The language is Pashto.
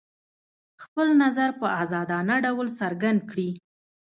خپل نظر په ازادانه ډول څرګند کړي.